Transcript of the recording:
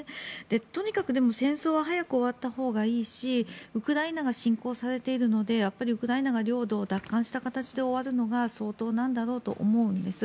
とにかく戦争は早く終わったほうがいいしウクライナが侵攻されているのでやっぱり、ウクライナが領土を奪還した形で終わるのが相当なんだろうと思うんです。